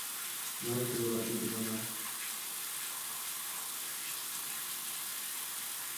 ঘরে কেহ বাতি দিল না।